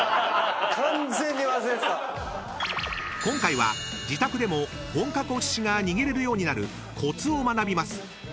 ［今回は自宅でも本格お寿司が握れるようになるコツを学びます］